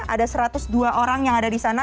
ada satu ratus dua orang yang ada di sana